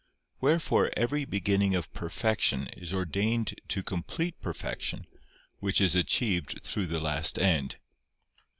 Wherefore every beginning of perfection is ordained to complete perfection which is achieved through the last end.